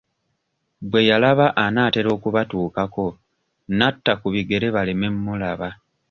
Bwe yalaba anaatera okubatuukako n'atta ku bigere baleme mmulaba.